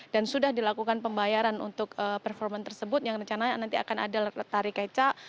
dan sudah dilakukan pembayaran untuk performan tersebut yang rencananya nanti akan ada tari kecak